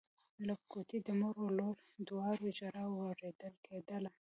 له کوټې د مور او لور دواړو ژړا اورېدل کېدله.